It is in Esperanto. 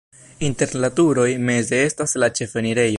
Inter la turoj meze estas la ĉefenirejo.